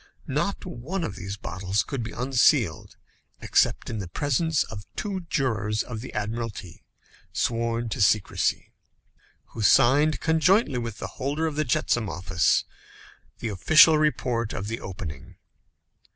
Not one of these bottles could be unsealed except in the presence of two jurors of the Admiralty sworn to secrecy, who signed, conjointly with the holder of the jetsam office, the official report of the opening.